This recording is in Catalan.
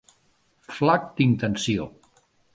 Flac d'intenció.